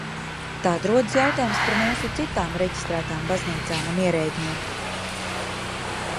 Tad rodas jautājums par mūsu citām reģistrētām baznīcām un ierēdņiem.